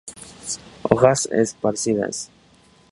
Hojas esparcidas.